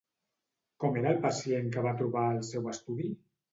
Com era el pacient que va trobar al seu estudi?